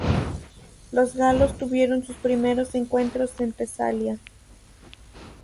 Los galos tuvieron sus primeros encuentros en Tesalia.